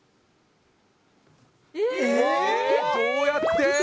ええ、どうやって。